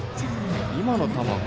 今の球が。